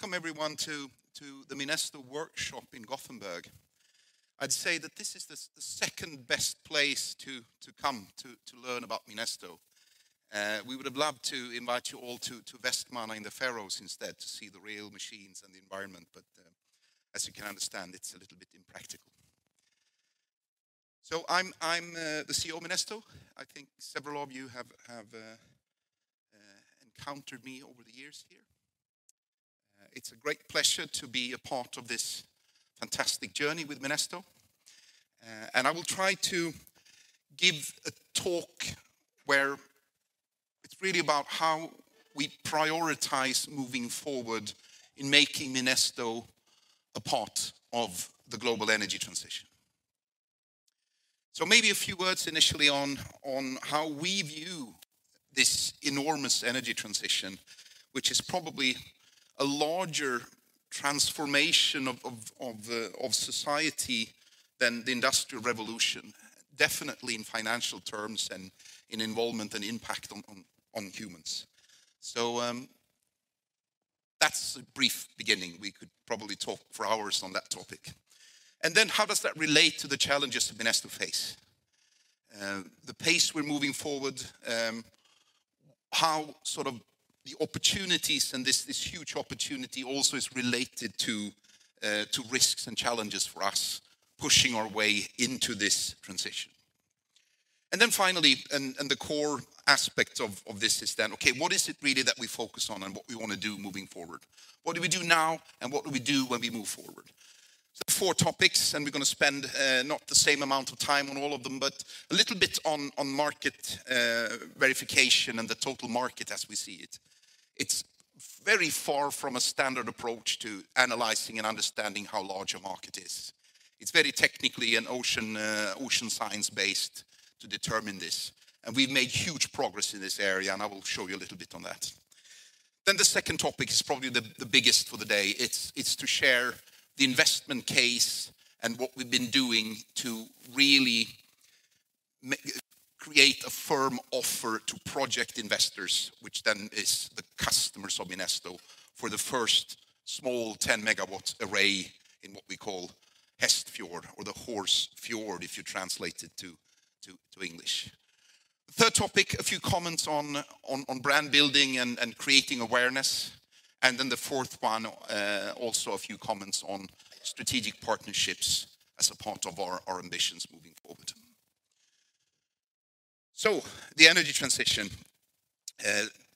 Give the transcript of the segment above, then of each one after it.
Welcome, everyone, to the Minesto Workshop in Gothenburg. I'd say that this is the second best place to come to learn about Minesto. We would have loved to invite you all to Vestmanna in the Faroes instead, to see the real machines and the environment, but as you can understand, it's a little bit impractical. So I'm the CEO of Minesto. I think several of you have encountered me over the years here. It's a great pleasure to be a part of this fantastic journey with Minesto, and I will try to give a talk where it's really about how we prioritize moving forward in making Minesto a part of the global energy transition. So maybe a few words initially on how we view this enormous energy transition, which is probably a larger transformation of society than the Industrial Revolution, definitely in financial terms and in involvement and impact on humans. So that's a brief beginning. We could probably talk for hours on that topic. And then how does that relate to the challenges that Minesto faces? The pace we're moving forward, how sort of the opportunities and this huge opportunity also is related to risks and challenges for us pushing our way into this transition. And then finally, and the core aspect of this is then, okay, what is it really that we focus on and what we want to do moving forward? What do we do now and what do we do when we move forward? So four topics, and we're going to spend not the same amount of time on all of them, but a little bit on market verification and the total market as we see it. It's very far from a standard approach to analyzing and understanding how large a market is. It's very technically and ocean science-based to determine this. And we've made huge progress in this area, and I will show you a little bit on that. Then the second topic is probably the biggest for the day. It's to share the investment case and what we've been doing to really create a firm offer to project investors, which then is the customers of Minesto for the first small 10-MW array in what we call Hestfjord or the horse fjord if you translate it to English. The third topic, a few comments on brand building and creating awareness. And then the fourth one, also a few comments on strategic partnerships as a part of our ambitions moving forward. So the energy transition.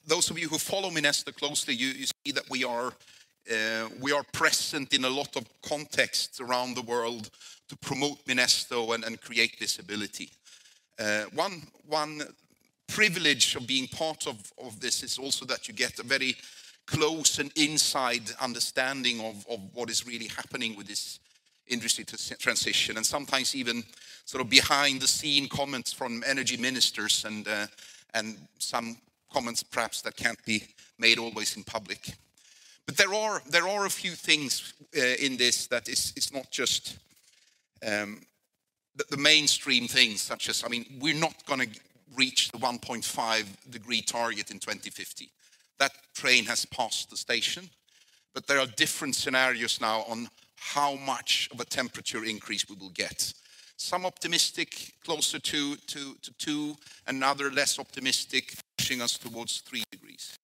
Those of you who follow Minesto closely, you see that we are present in a lot of contexts around the world to promote Minesto and create this ability. One privilege of being part of this is also that you get a very close and inside understanding of what is really happening with this industry transition, and sometimes even sort of behind the scene comments from energy ministers and some comments perhaps that can't be made always in public. But there are a few things in this that it's not just the mainstream things such as, I mean, we're not going to reach the 1.5-degree target in 2050. That train has passed the station, but there are different scenarios now on how much of a temperature increase we will get. Some optimistic closer to two, and other less optimistic pushing us towards three degrees.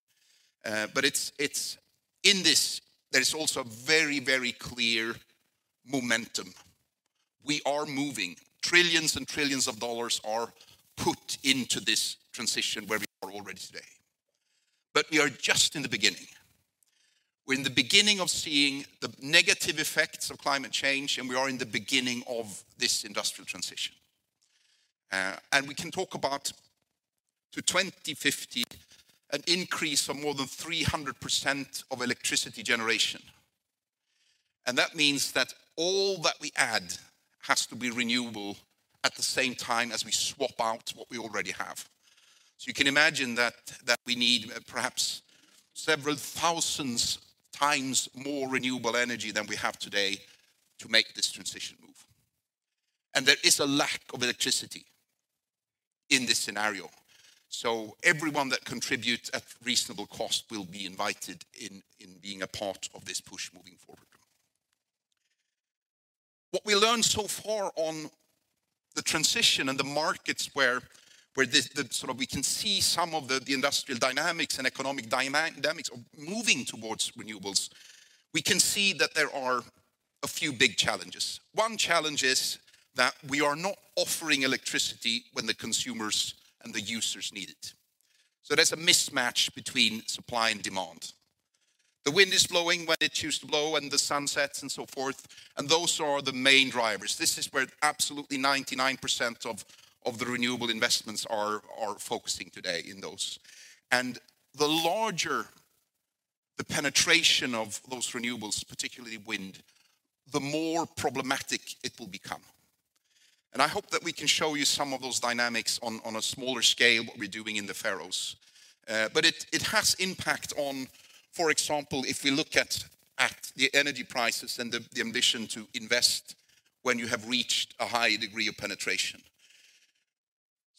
But it's in this, there's also a very, very clear momentum. We are moving. Trillions and trillions of dollars are put into this transition where we are already today. But we are just in the beginning. We're in the beginning of seeing the negative effects of climate change, and we are in the beginning of this industrial transition. And we can talk about to 2050, an increase of more than 300% of electricity generation. And that means that all that we add has to be renewable at the same time as we swap out what we already have. So you can imagine that we need perhaps several thousand times more renewable energy than we have today to make this transition move, and there is a lack of electricity in this scenario, so everyone that contributes at reasonable cost will be invited in being a part of this push moving forward. What we learned so far on the transition and the markets where sort of we can see some of the industrial dynamics and economic dynamics of moving toward renewables, we can see that there are a few big challenges. One challenge is that we are not offering electricity when the consumers and the users need it, so there's a mismatch between supply and demand. The wind is blowing when it chooses to blow and the sun sets and so forth, and those are the main drivers. This is where absolutely 99% of the renewable investments are focusing today in those. And the larger the penetration of those renewables, particularly wind, the more problematic it will become. And I hope that we can show you some of those dynamics on a smaller scale, what we're doing in the Faroes. But it has impact on, for example, if we look at the energy prices and the ambition to invest when you have reached a high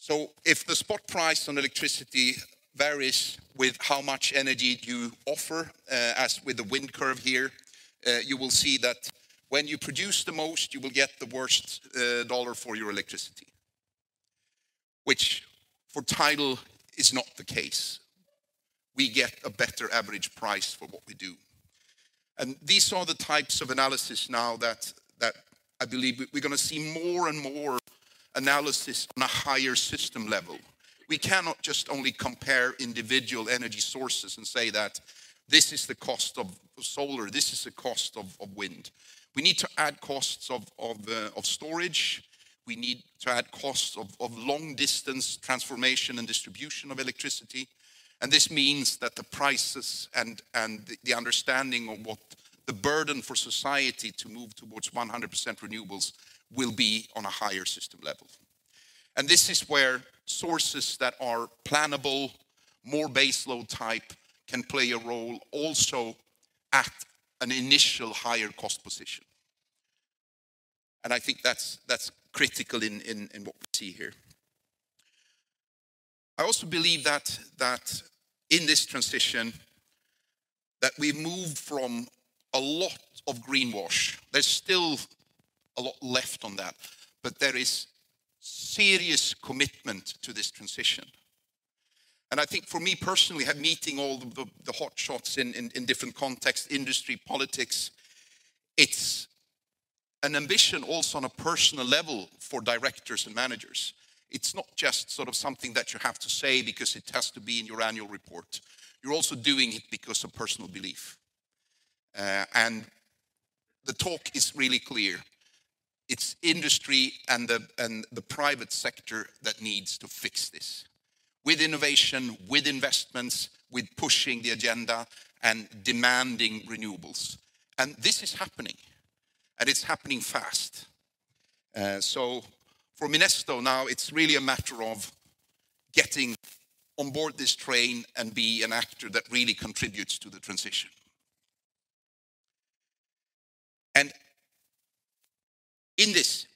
degree of penetration. So if the spot price on electricity varies with how much energy you offer, as with the wind curve here, you will see that when you produce the most, you will get the worst dollar for your electricity, which for tidal is not the case. We get a better average price for what we do. These are the types of analysis now that I believe we're going to see more and more analysis on a higher system level. We cannot just only compare individual energy sources and say that this is the cost of solar, this is the cost of wind. We need to add costs of storage. We need to add costs of long-distance transformation and distribution of electricity. And this means that the prices and the understanding of what the burden for society to move towards 100% renewables will be on a higher system level. And this is where sources that are plannable, more baseload type can play a role also at an initial higher cost position. And I think that's critical in what we see here. I also believe that in this transition, that we move from a lot of greenwash. There's still a lot left on that, but there is serious commitment to this transition. And I think for me personally, meeting all the hot shots in different contexts, industry, politics, it's an ambition also on a personal level for directors and managers. It's not just sort of something that you have to say because it has to be in your annual report. You're also doing it because of personal belief. And the talk is really clear. It's industry and the private sector that needs to fix this with innovation, with investments, with pushing the agenda and demanding renewables. And this is happening, and it's happening fast. So for Minesto now, it's really a matter of getting on board this train and be an actor that really contributes to the transition. And in this,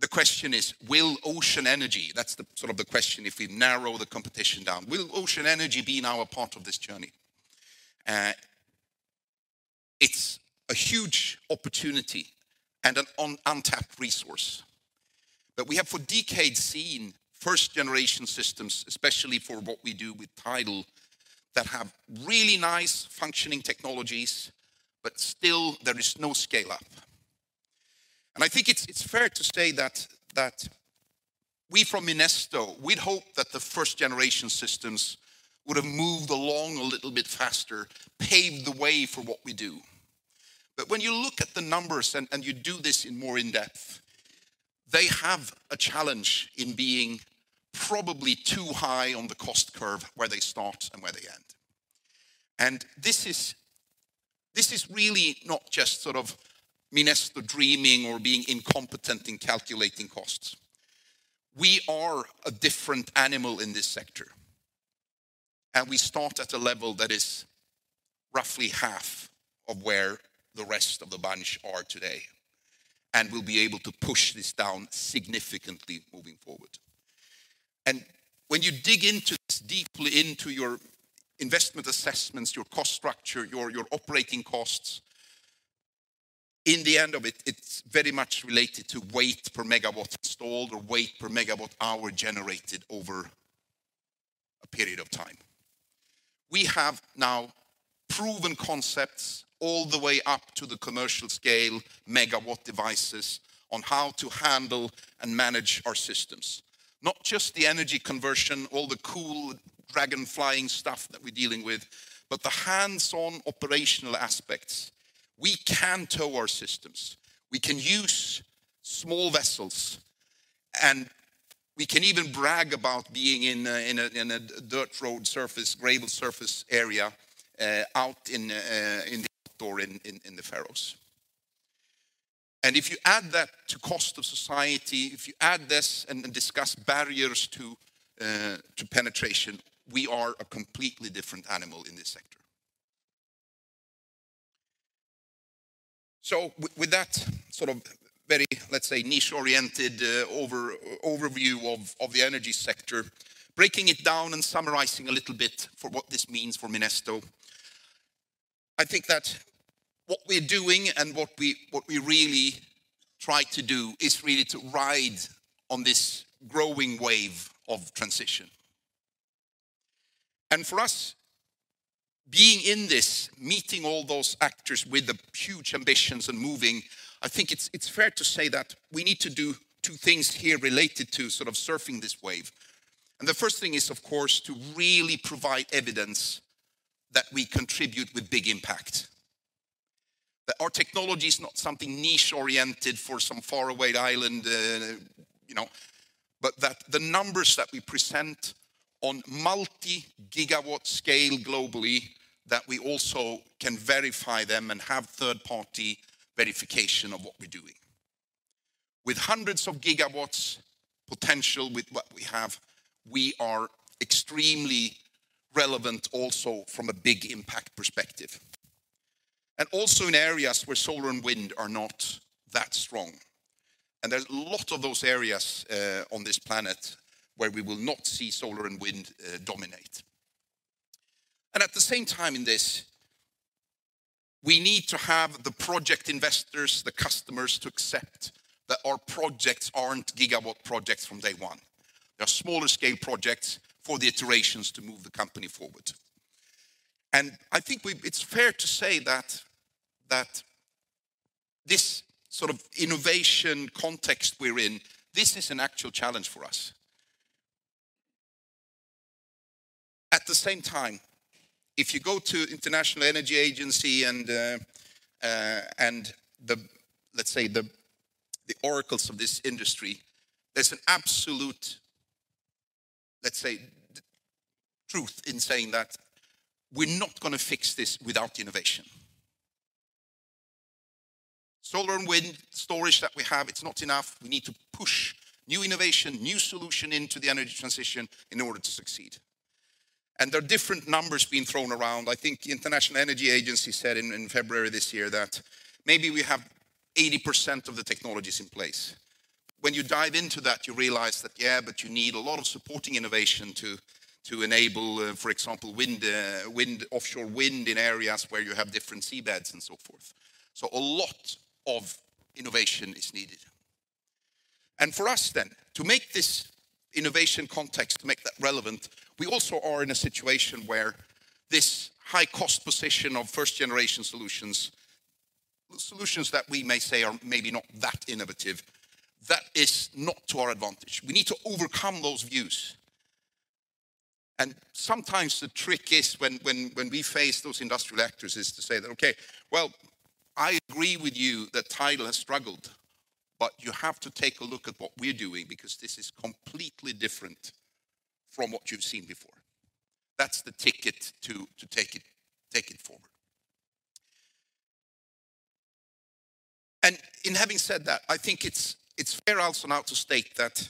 the question is, will ocean energy, that's sort of the question if we narrow the competition down, will ocean energy be now a part of this journey? It's a huge opportunity and an untapped resource. But we have for decades seen first-generation systems, especially for what we do with tidal, that have really nice functioning technologies, but still there is no scale-up. And I think it's fair to say that we from Minesto, we'd hope that the first-generation systems would have moved along a little bit faster, paved the way for what we do. But when you look at the numbers and you do this in more in-depth, they have a challenge in being probably too high on the cost curve where they start and where they end. And this is really not just sort of Minesto dreaming or being incompetent in calculating costs. We are a different animal in this sector. And we start at a level that is roughly half of where the rest of the bunch are today. And we'll be able to push this down significantly moving forward. And when you dig into this deeply into your investment assessments, your cost structure, your operating costs, in the end of it, it's very much related to weight per megawatt installed or weight per megawatt-hour generated over a period of time. We have now proven concepts all the way up to the commercial scale megawatt devices on how to handle and manage our systems. Not just the energy conversion, all the cool dragon flying stuff that we're dealing with, but the hands-on operational aspects. We can tow our systems. We can use small vessels, and we can even brag about being in a dirt road surface, gravel surface area out in the outdoors in the Faroes, and if you add that to cost of society, if you add this and discuss barriers to penetration, we are a completely different animal in this sector. With that sort of very, let's say, niche-oriented overview of the energy sector, breaking it down and summarizing a little bit for what this means for Minesto, I think that what we're doing and what we really try to do is really to ride on this growing wave of transition, and for us, being in this, meeting all those actors with the huge ambitions and moving, I think it's fair to say that we need to do two things here related to sort of surfing this wave. And the first thing is, of course, to really provide evidence that we contribute with big impact. That our technology is not something niche-oriented for some faraway island, but that the numbers that we present on multi-gigawatt scale globally, that we also can verify them and have third-party verification of what we're doing. With hundreds of gigawatts potential with what we have, we are extremely relevant also from a big impact perspective. And also in areas where solar and wind are not that strong. And there's a lot of those areas on this planet where we will not see solar and wind dominate. And at the same time in this, we need to have the project investors, the customers to accept that our projects aren't gigawatt projects from day one. There are smaller scale projects for the iterations to move the company forward. I think it's fair to say that this sort of innovation context we're in, this is an actual challenge for us. At the same time, if you go to the International Energy Agency and the, let's say, oracles of this industry, there's an absolute, let's say, truth in saying that we're not going to fix this without innovation. Solar and wind storage that we have, it's not enough. We need to push new innovation, new solution into the energy transition in order to succeed. There are different numbers being thrown around. I think the International Energy Agency said in February this year that maybe we have 80% of the technologies in place. When you dive into that, you realize that, yeah, but you need a lot of supporting innovation to enable, for example, wind, offshore wind in areas where you have different seabeds and so forth. A lot of innovation is needed. For us then, to make this innovation context, to make that relevant, we also are in a situation where this high cost position of first-generation solutions, solutions that we may say are maybe not that innovative, that is not to our advantage. We need to overcome those views. Sometimes the trick is when we face those industrial actors is to say that, okay, well, I agree with you that tidal has struggled, but you have to take a look at what we're doing because this is completely different from what you've seen before. That's the ticket to take it forward. In having said that, I think it's fair also now to state that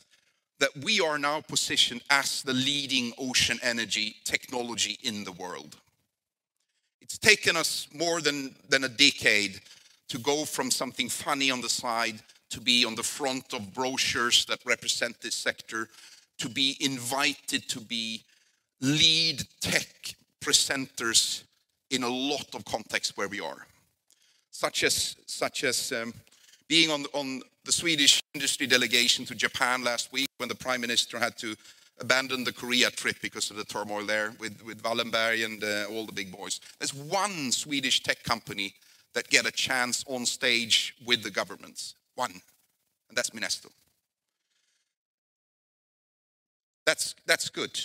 we are now positioned as the leading ocean energy technology in the world. It's taken us more than a decade to go from something funny on the side to be on the front of brochures that represent this sector, to be invited to be lead tech presenters in a lot of contexts where we are, such as being on the Swedish industry delegation to Japan last week when the Prime Minister had to abandon the Korea trip because of the turmoil there with Wallenberg and all the big boys. There's one Swedish tech company that got a chance on stage with the governments, one, and that's Minesto. That's good.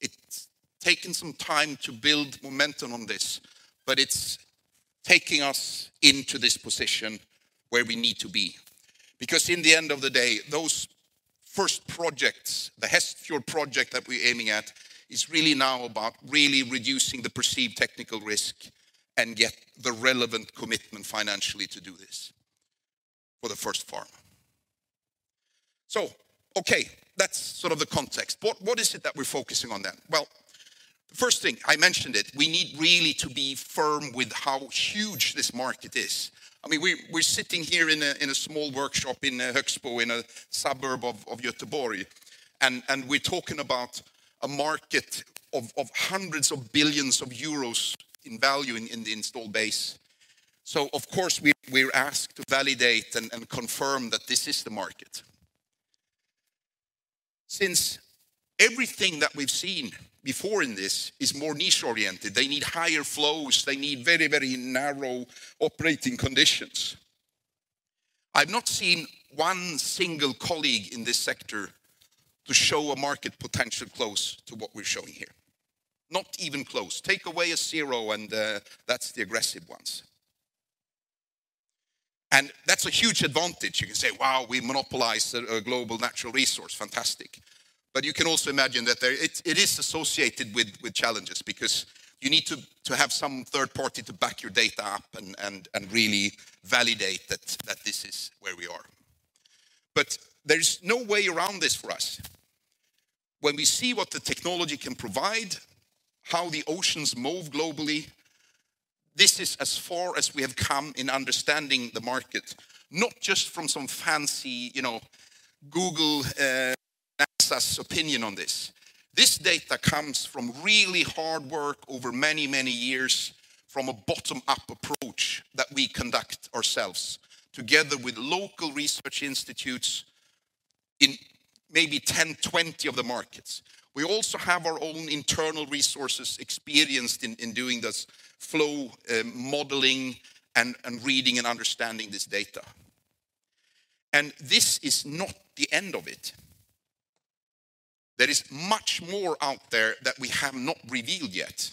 It's taken some time to build momentum on this, but it's taking us into this position where we need to be. Because in the end of the day, those first projects, the Hestfjord project that we're aiming at is really now about really reducing the perceived technical risk and get the relevant commitment financially to do this for the first farm. Okay, that's sort of the context. What is it that we're focusing on then? The first thing, I mentioned it, we need really to be firm with how huge this market is. I mean, we're sitting here in a small workshop in Högsbo, in a suburb of Gothenburg, and we're talking about a market of hundreds of billions of euros in value in the installed base. Of course, we're asked to validate and confirm that this is the market. Since everything that we've seen before in this is more niche-oriented, they need higher flows, they need very, very narrow operating conditions. I've not seen one single colleague in this sector to show a market potential close to what we're showing here. Not even close. Take away a zero and that's the aggressive ones, and that's a huge advantage. You can say, wow, we monopolize a global natural resource, fantastic. But you can also imagine that it is associated with challenges because you need to have some third party to back your data up and really validate that this is where we are. But there's no way around this for us. When we see what the technology can provide, how the oceans move globally, this is as far as we have come in understanding the market, not just from some fancy Google, NASA's opinion on this. This data comes from really hard work over many, many years from a bottom-up approach that we conduct ourselves together with local research institutes in maybe 10, 20 of the markets. We also have our own internal resources experienced in doing this flow modeling and reading and understanding this data. And this is not the end of it. There is much more out there that we have not revealed yet.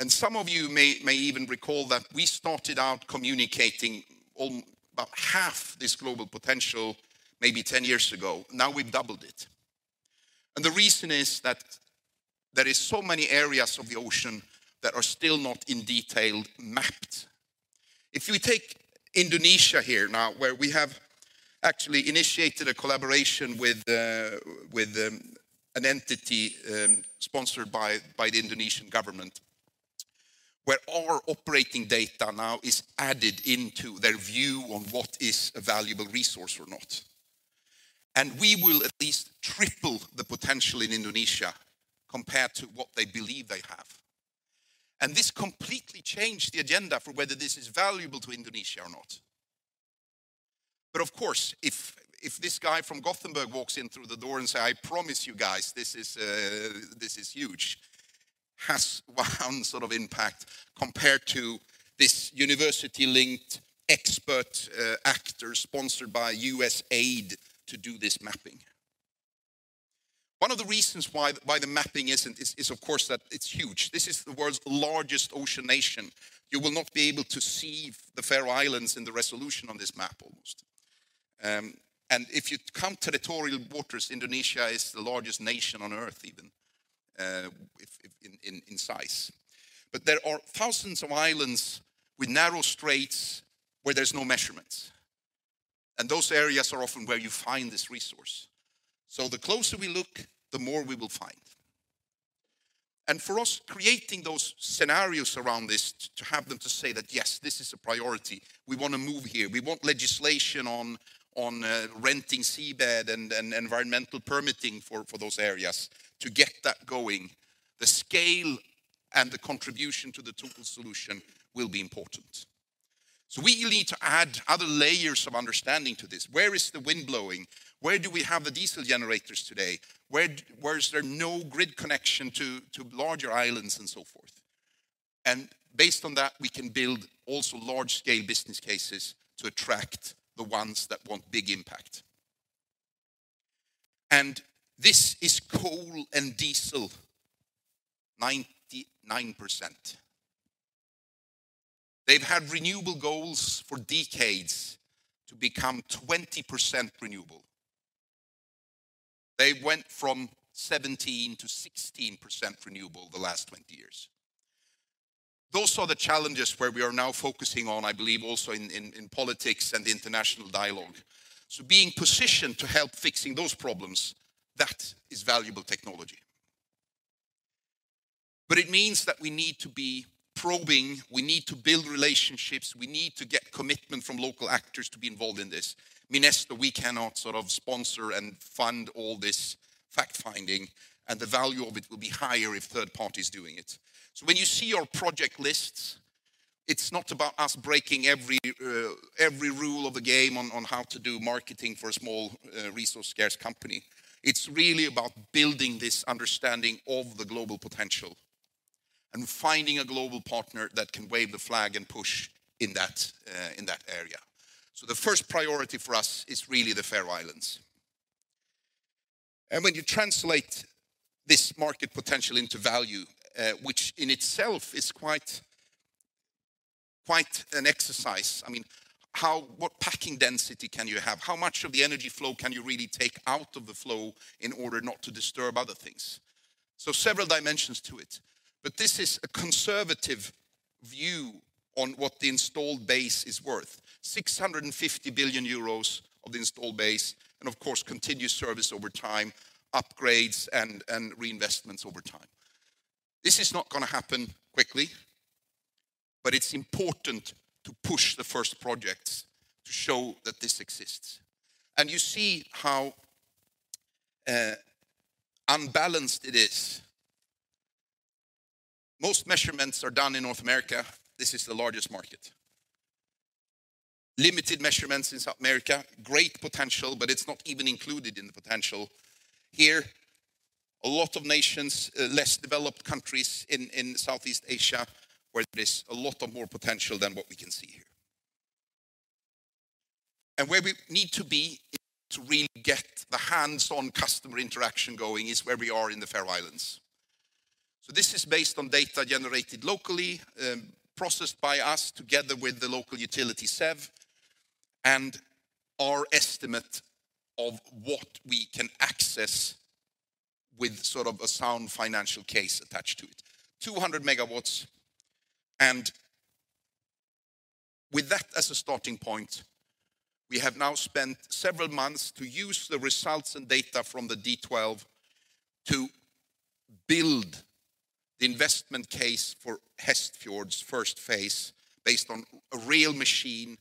And some of you may even recall that we started out communicating about half this global potential maybe 10 years ago. Now we've doubled it. And the reason is that there are so many areas of the ocean that are still not in detail mapped. If you take Indonesia here now, where we have actually initiated a collaboration with an entity sponsored by the Indonesian government, where our operating data now is added into their view on what is a valuable resource or not, and we will at least triple the potential in Indonesia compared to what they believe they have, and this completely changed the agenda for whether this is valuable to Indonesia or not. But of course, if this guy from Gothenburg walks in through the door and says, I promise you guys, this is huge, has one sort of impact compared to this university-linked expert actor sponsored by USAID to do this mapping. One of the reasons why the mapping isn't is, of course, that it's huge. This is the world's largest ocean nation. You will not be able to see the Faroe Islands in the resolution on this map almost. And if you count territorial waters, Indonesia is the largest nation on earth even in size. But there are thousands of islands with narrow straits where there's no measurements. And those areas are often where you find this resource. So the closer we look, the more we will find. And for us, creating those scenarios around this to have them to say that, yes, this is a priority, we want to move here, we want legislation on renting seabed and environmental permitting for those areas to get that going, the scale and the contribution to the total solution will be important. So we need to add other layers of understanding to this. Where is the wind blowing? Where do we have the diesel generators today? Where is there no grid connection to larger islands and so forth? Based on that, we can build also large-scale business cases to attract the ones that want big impact. This is coal and diesel, 99%. They've had renewable goals for decades to become 20% renewable. They went from 17% to 16% renewable the last 20 years. Those are the challenges where we are now focusing on, I believe, also in politics and international dialogue. Being positioned to help fixing those problems, that is valuable technology. It means that we need to be probing, we need to build relationships, we need to get commitment from local actors to be involved in this. Minesto, we cannot sort of sponsor and fund all this fact-finding, and the value of it will be higher if third parties are doing it. So when you see our project lists, it's not about us breaking every rule of the game on how to do marketing for a small resource-scarce company. It's really about building this understanding of the global potential and finding a global partner that can wave the flag and push in that area. So the first priority for us is really the Faroe Islands. And when you translate this market potential into value, which in itself is quite an exercise, I mean, what packing density can you have? How much of the energy flow can you really take out of the flow in order not to disturb other things? So several dimensions to it. But this is a conservative view on what the installed base is worth: 650 billion euros of the installed base, and of course, continuous service over time, upgrades, and reinvestments over time. This is not going to happen quickly, but it's important to push the first projects to show that this exists, and you see how unbalanced it is. Most measurements are done in North America. This is the largest market. Limited measurements in South America, great potential, but it's not even included in the potential. Here, a lot of nations, less developed countries in Southeast Asia, where there is a lot of more potential than what we can see here, and where we need to be to really get the hands-on customer interaction going is where we are in the Faroe Islands, so this is based on data generated locally, processed by us together with the local utility SEV, and our estimate of what we can access with sort of a sound financial case attached to it: 200 MW. With that as a starting point, we have now spent several months to use the results and data from the D12 to build the investment case for Hestfjord's first phase based on a real machine,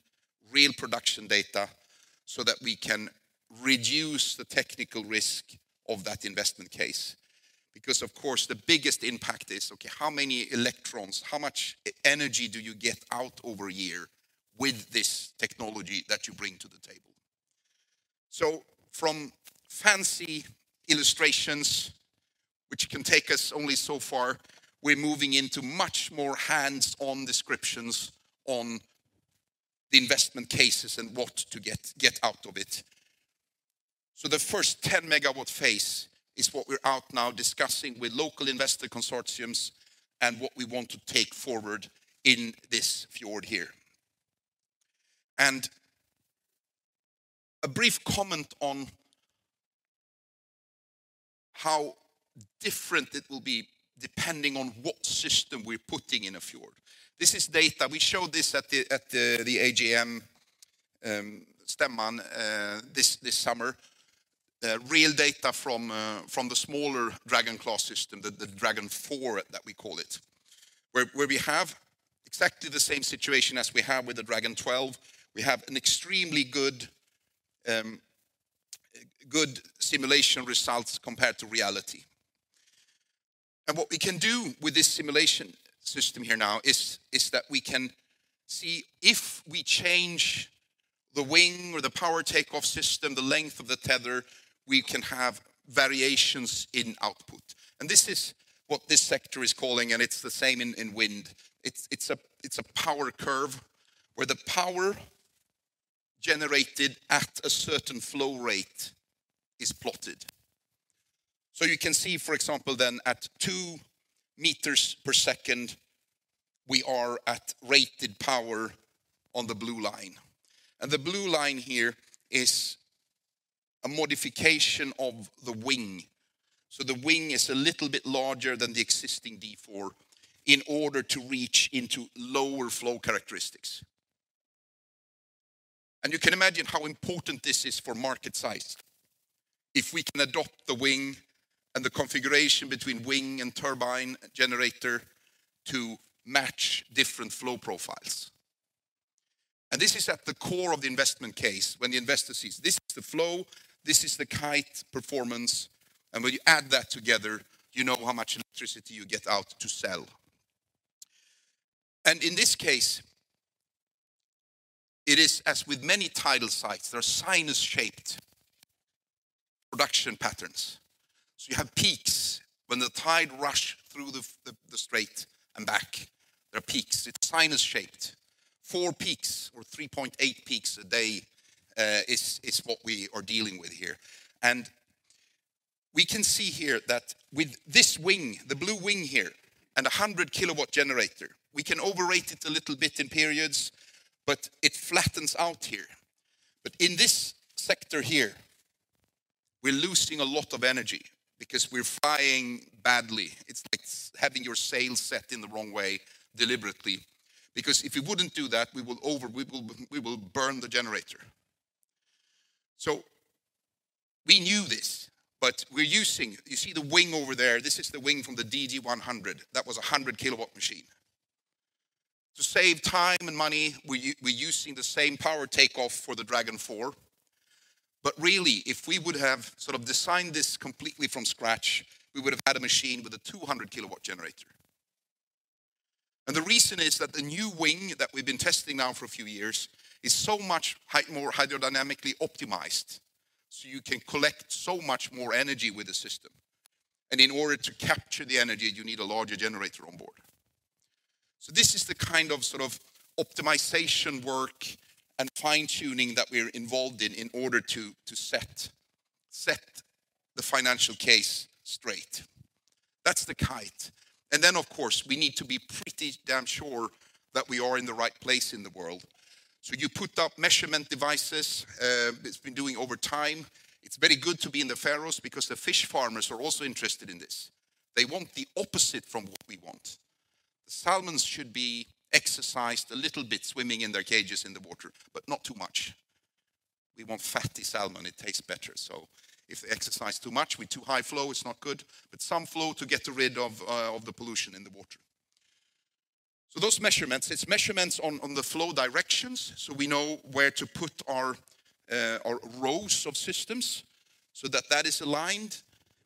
real production data, so that we can reduce the technical risk of that investment case. Because, of course, the biggest impact is, okay, how many electrons, how much energy do you get out over a year with this technology that you bring to the table? From fancy illustrations, which can take us only so far, we're moving into much more hands-on descriptions on the investment cases and what to get out of it. The first 10 MW phase is what we're now discussing with local investor consortiums and what we want to take forward in this fjord here. A brief comment on how different it will be depending on what system we're putting in a fjord. This is data. We showed this at the AGM statement this summer, real data from the smaller Dragon Class system, the Dragon 4 that we call it, where we have exactly the same situation as we have with the Dragon 12. We have an extremely good simulation results compared to reality. And what we can do with this simulation system here now is that we can see if we change the wing or the power takeoff system, the length of the tether, we can have variations in output. And this is what this sector is calling, and it's the same in wind. It's a power curve where the power generated at a certain flow rate is plotted. You can see, for example, then at two meters per second, we are at rated power on the blue line. The blue line here is a modification of the wing. The wing is a little bit larger than the existing D4 in order to reach into lower flow characteristics. You can imagine how important this is for market size if we can adapt the wing and the configuration between wing and turbine generator to match different flow profiles. This is at the core of the investment case when the investor sees this is the flow, this is the kite performance, and when you add that together, you know how much electricity you get out to sell. In this case, it is as with many tidal sites, there are sinus-shaped production patterns. You have peaks when the tide rushes through the strait and back. There are peaks. It's sinus-shaped. Four peaks or 3.8 peaks a day is what we are dealing with here. And we can see here that with this wing, the blue wing here and a 100-kW generator, we can overrate it a little bit in periods, but it flattens out here. But in this sector here, we're losing a lot of energy because we're flying badly. It's like having your sails set in the wrong way deliberately. Because if we wouldn't do that, we will burn the generator. So we knew this, but we're using, you see the wing over there, this is the wing from the DG100. That was a 100-kW machine. To save time and money, we're using the same power takeoff for the Dragon 4. But really, if we would have sort of designed this completely from scratch, we would have had a machine with a 200 kW generator. And the reason is that the new wing that we've been testing now for a few years is so much more hydrodynamically optimized, so you can collect so much more energy with the system. And in order to capture the energy, you need a larger generator on board. So this is the kind of sort of optimization work and fine-tuning that we're involved in in order to set the financial case straight. That's the kite. And then, of course, we need to be pretty damn sure that we are in the right place in the world. So you put up measurement devices. It's been doing over time. It's very good to be in the Faroes because the fish farmers are also interested in this. They want the opposite from what we want. The salmon should be exercised a little bit swimming in their cages in the water, but not too much. We want fatty salmon. It tastes better, so if they exercise too much with too high flow, it's not good, but some flow to get rid of the pollution in the water. So those measurements, it's measurements on the flow directions, so we know where to put our rows of systems so that that is aligned.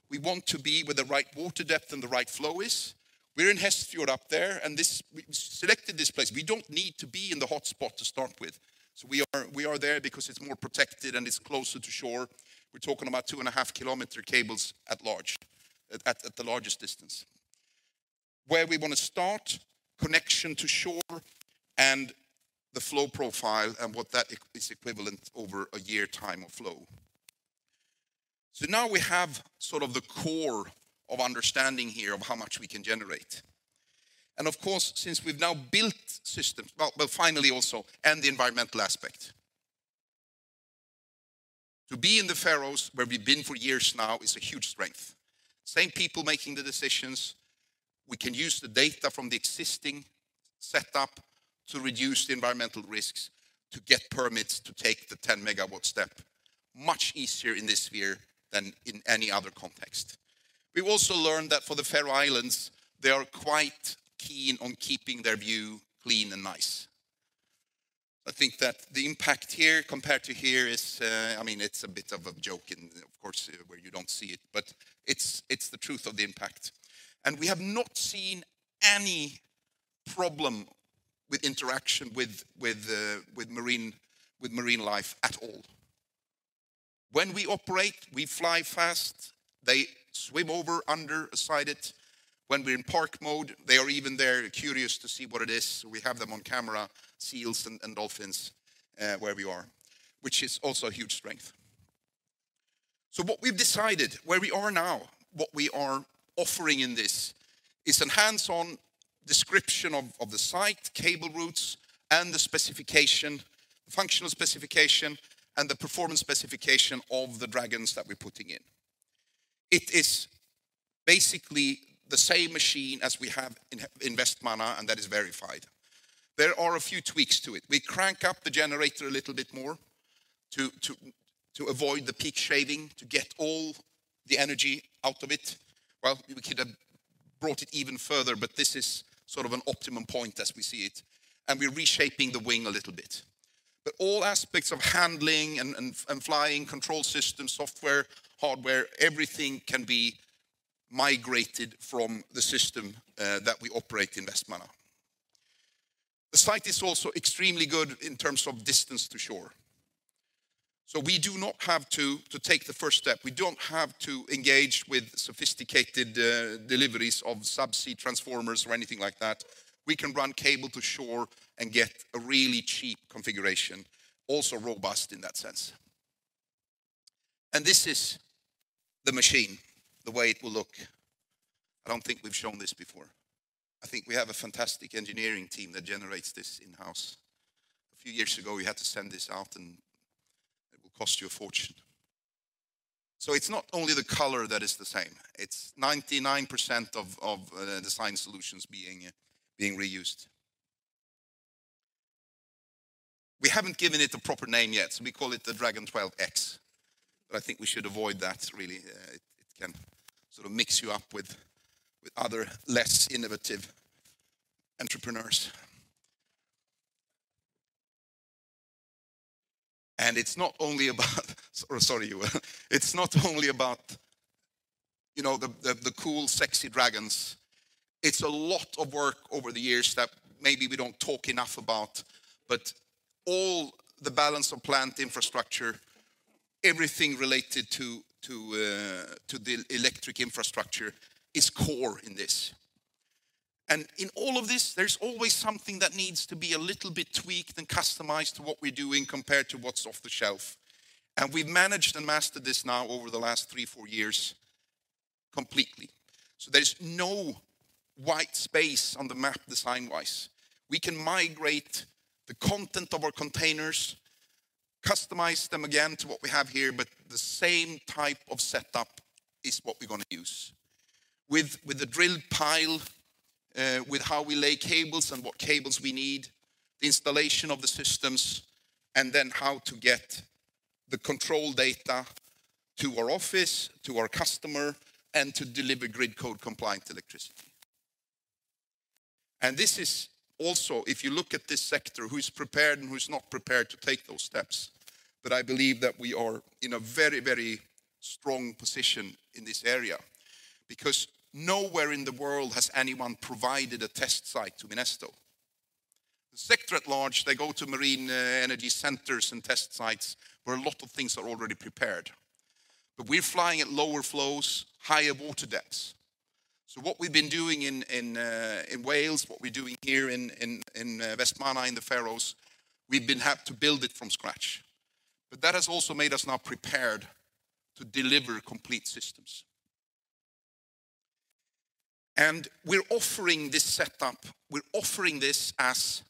We want to be with the right water depth and the right flow is. We're in Hestfjord up there, and we selected this place. We don't need to be in the hotspot to start with, so we are there because it's more protected and it's closer to shore. We're talking about 2.5-km cables at the largest distance. Where we want to start, connection to shore, and the flow profile and what that is equivalent over a year time of flow, so now we have sort of the core of understanding here of how much we can generate, and of course, since we've now built systems, well, finally also, and the environmental aspect. To be in the Faroes, where we've been for years now, is a huge strength. Same people making the decisions. We can use the data from the existing setup to reduce the environmental risks, to get permits to take the 10 MW step much easier in this year than in any other context. We've also learned that for the Faroe Islands, they are quite keen on keeping their view clean and nice. I think that the impact here compared to here is, I mean, it's a bit of a joke and, of course, where you don't see it, but it's the truth of the impact, and we have not seen any problem with interaction with marine life at all. When we operate, we fly fast. They swim over, under, aside it. When we're in park mode, they are even there curious to see what it is. We have them on camera, seals and dolphins where we are, which is also a huge strength, so what we've decided where we are now, what we are offering in this is a hands-on description of the site, cable routes, and the specification, functional specification, and the performance specification of the dragons that we're putting in. It is basically the same machine as we have in Vestmanna and that is verified. There are a few tweaks to it. We crank up the generator a little bit more to avoid the peak shaving, to get all the energy out of it. We could have brought it even further, but this is sort of an optimum point as we see it. We're reshaping the wing a little bit. All aspects of handling and flying, control systems, software, hardware, everything can be migrated from the system that we operate in Vestmanna. The site is also extremely good in terms of distance to shore. We do not have to take the first step. We don't have to engage with sophisticated deliveries of subsea transformers or anything like that. We can run cable to shore and get a really cheap configuration, also robust in that sense. This is the machine, the way it will look. I don't think we've shown this before. I think we have a fantastic engineering team that generates this in-house. A few years ago, we had to send this out and it will cost you a fortune, so it's not only the color that is the same. It's 99% of design solutions being reused. We haven't given it a proper name yet. We call it the Dragon 12X, but I think we should avoid that, really. It can sort of mix you up with other less innovative entrepreneurs, and it's not only about, sorry, it's not only about the cool, sexy dragons. It's a lot of work over the years that maybe we don't talk enough about, but all the balance of plant infrastructure, everything related to the electric infrastructure is core in this. And in all of this, there's always something that needs to be a little bit tweaked and customized to what we're doing compared to what's off the shelf. And we've managed and mastered this now over the last three, four years completely. So there's no white space on the map design-wise. We can migrate the content of our containers, customize them again to what we have here, but the same type of setup is what we're going to use. With the drill pile, with how we lay cables and what cables we need, the installation of the systems, and then how to get the control data to our office, to our customer, and to deliver Grid Code Compliant electricity. And this is also, if you look at this sector, who's prepared and who's not prepared to take those steps. But I believe that we are in a very, very strong position in this area because nowhere in the world has anyone provided a test site to Minesto. The sector at large, they go to marine energy centers and test sites where a lot of things are already prepared. But we're flying at lower flows, higher water depths. So what we've been doing in Wales, what we're doing here in Vestmanna in the Faroes, we've had to build it from scratch. But that has also made us now prepared to deliver complete systems. And we're offering this setup, we're offering this as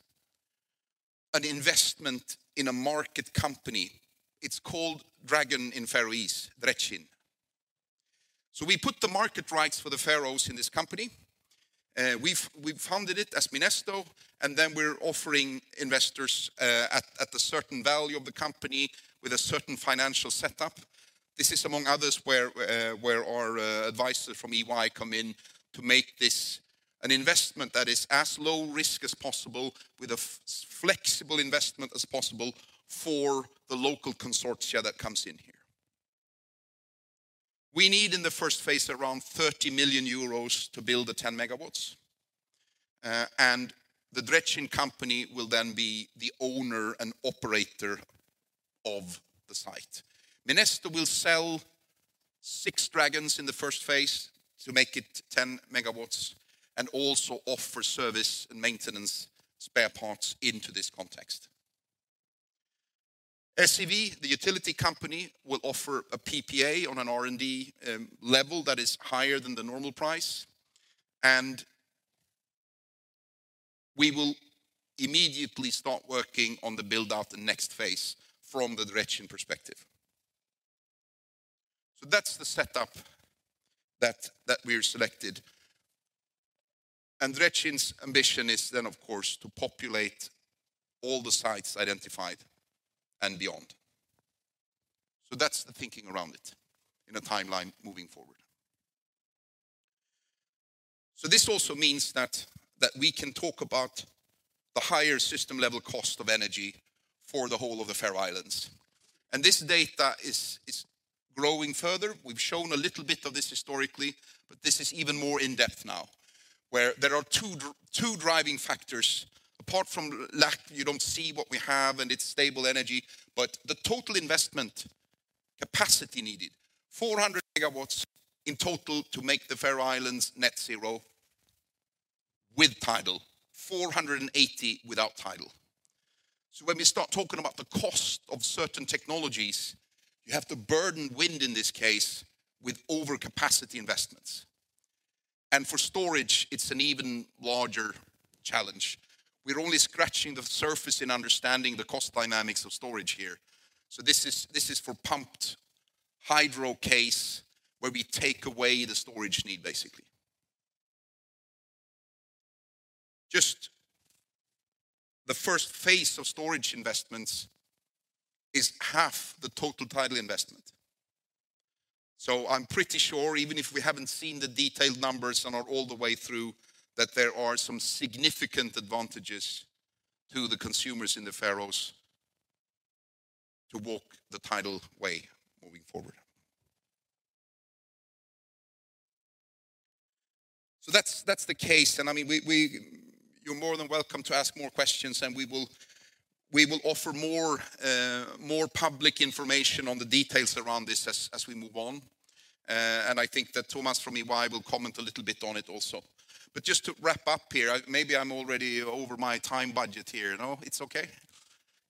an investment in a market company. It's called Dragon in Faroese, Drekin. So we put the market rights for the Faroes in this company. We've founded it as Minesto, and then we're offering investors at a certain value of the company with a certain financial setup. This is, among others, where our advisors from EY come in to make this an investment that is as low risk as possible with a flexible investment as possible for the local consortia that comes in here. We need in the first phase around 30 million euros to build the 10 MW. And the Drekin company will then be the owner and operator of the site. Minesto will sell six dragons in the first phase to make it 10 MW and also offer service and maintenance spare parts into this context. SEV, the utility company, will offer a PPA on an R&D level that is higher than the normal price. And we will immediately start working on the build-out and next phase from the Drekin perspective. So that's the setup that we've selected. And Drekin's ambition is then, of course, to populate all the sites identified and beyond. So that's the thinking around it in a timeline moving forward. So this also means that we can talk about the higher system-level cost of energy for the whole of the Faroe Islands, and this data is growing further. We've shown a little bit of this historically, but this is even more in-depth now, where there are two driving factors. Apart from lack, you don't see what we have and it's stable energy, but the total investment capacity needed, 400 MW in total to make the Faroe Islands Net Zero with tidal, 480 without tidal, so when we start talking about the cost of certain technologies, you have to burden wind in this case with overcapacity investments, and for storage, it's an even larger challenge. We're only scratching the surface in understanding the cost dynamics of storage here. So this is for pumped hydro case where we take away the storage need basically. Just the first phase of storage investments is half the total tidal investment. So I'm pretty sure, even if we haven't seen the detailed numbers and are all the way through, that there are some significant advantages to the consumers in the Faroes to walk the tidal way moving forward. So that's the case. And I mean, you're more than welcome to ask more questions, and we will offer more public information on the details around this as we move on. And I think that Thomas from EY will comment a little bit on it also. But just to wrap up here, maybe I'm already over my time budget here. No, it's okay.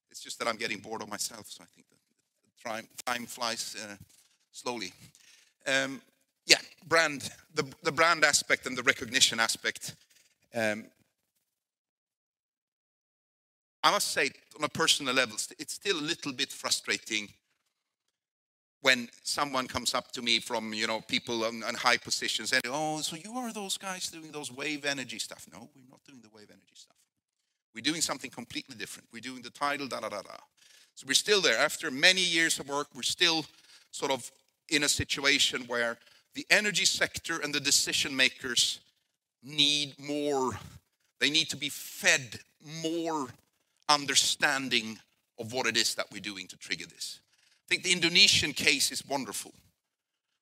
It's just that I'm getting bored of myself, so I think time flies slowly. Yeah, the brand aspect and the recognition aspect. I must say, on a personal level, it's still a little bit frustrating when someone comes up to me from people in high positions and say, "Oh, so you are those guys doing those wave energy stuff?" No, we're not doing the wave energy stuff. We're doing something completely different. We're doing the tidal, da, da, da, da. So we're still there. After many years of work, we're still sort of in a situation where the energy sector and the decision makers need more; they need to be fed more understanding of what it is that we're doing to trigger this. I think the Indonesian case is wonderful,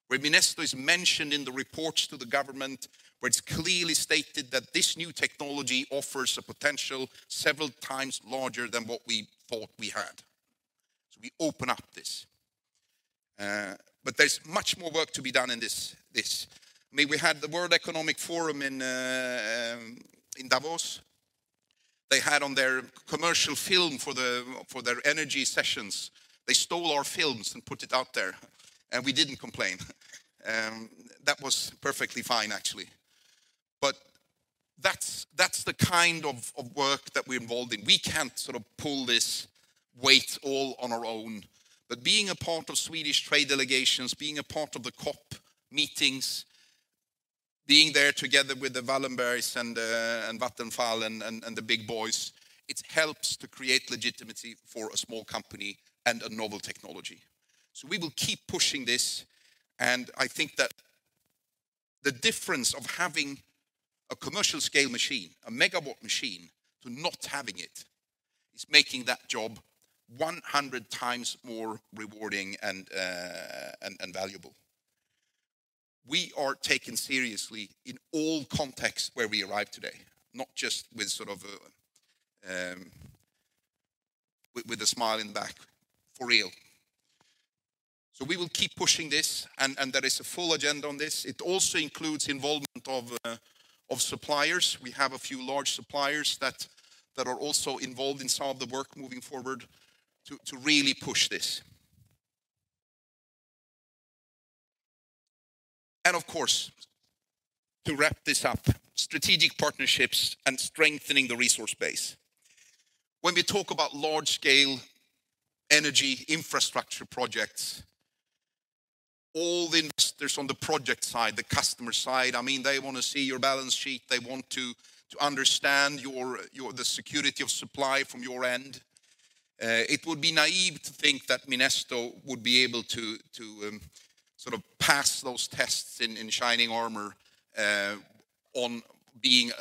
where Minesto is mentioned in the reports to the government, where it's clearly stated that this new technology offers a potential several times larger than what we thought we had. So we open up this. But there's much more work to be done in this. I mean, we had the World Economic Forum in Davos. They had on their commercial film for their energy sessions. They stole our films and put it out there, and we didn't complain. That was perfectly fine, actually. But that's the kind of work that we're involved in. We can't sort of pull this weight all on our own. But being a part of Swedish trade delegations, being a part of the COP meetings, being there together with the Wallenbergs and Vattenfall and the big boys, it helps to create legitimacy for a small company and a novel technology. So we will keep pushing this. And I think that the difference of having a commercial scale machine, a megawatt machine, to not having it is making that job 100x more rewarding and valuable. We are taken seriously in all contexts where we arrive today, not just with sort of a smile in the back, for real. So we will keep pushing this, and there is a full agenda on this. It also includes involvement of suppliers. We have a few large suppliers that are also involved in some of the work moving forward to really push this. And of course, to wrap this up, strategic partnerships and strengthening the resource base. When we talk about large-scale energy infrastructure projects, all the investors on the project side, the customer side, I mean, they want to see your balance sheet. They want to understand the security of supply from your end. It would be naive to think that Minesto would be able to sort of pass those tests in shining armor on being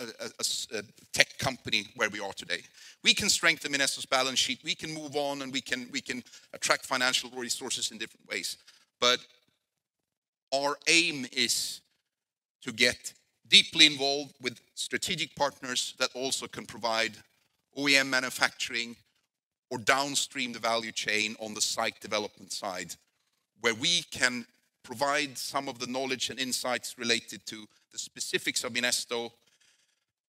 a tech company where we are today. We can strengthen Minesto's balance sheet. We can move on, and we can attract financial resources in different ways. But our aim is to get deeply involved with strategic partners that also can provide OEM manufacturing or downstream the value chain on the site development side, where we can provide some of the knowledge and insights related to the specifics of Minesto.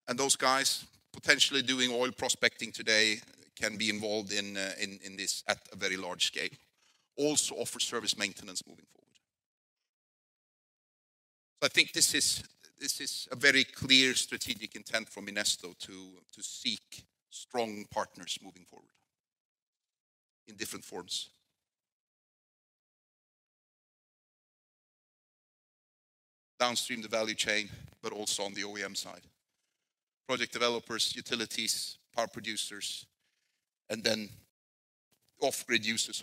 And those guys potentially doing oil prospecting today can be involved in this at a very large scale. Also offer service maintenance moving forward. So I think this is a very clear strategic intent from Minesto to seek strong partners moving forward in different forms. Downstream the value chain, but also on the OEM side. Project developers, utilities, power producers, and then off-grid users.